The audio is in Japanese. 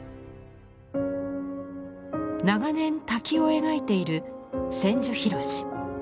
長年滝を描いている千住博。